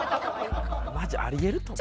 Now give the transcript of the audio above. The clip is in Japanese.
マジあり得ると思う。